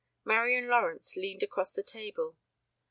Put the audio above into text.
Marian Lawrence leaned across the table.